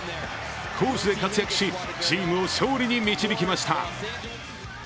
攻守で活躍し、チームを勝利に導きました。